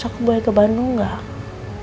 aku boleh ke bandung gak